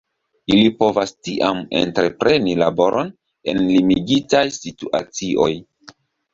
Ili povas tiam entrepreni laboron en limigitaj situacioj.